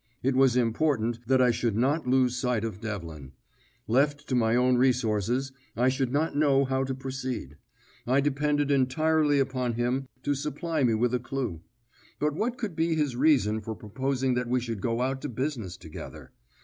It was important that I should not lose sight of Devlin; left to my own resources, I should not know how to proceed; I depended entirely upon him to supply me with a clue. But what could be his reason for proposing that we should go out to business together?